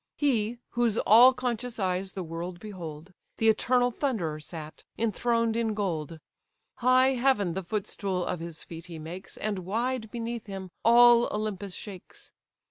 He, whose all conscious eyes the world behold, The eternal Thunderer sat, enthroned in gold. High heaven the footstool of his feet he makes, And wide beneath him all Olympus shakes.